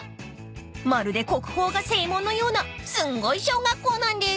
［まるで国宝が正門のようなすんごい小学校なんです］